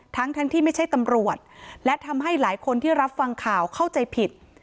ทั้งทั้งที่ไม่ใช่ตำรวจและทำให้หลายคนที่รับฟังข่าวเข้าใจผิด